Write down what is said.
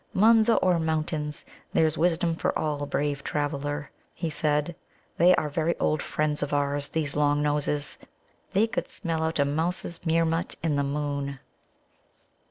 "Munza or Mountains, there's wisdom for all, brave traveller," he said. "They are very old friends of ours, these Long noses; they could smell out a mouse's Meermut in the moon."